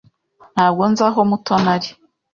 Ntabwo nzi aho Mutoni ari.